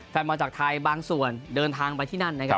แฟนบอลจากไทยบางส่วนเดินทางไปที่นั่นนะครับ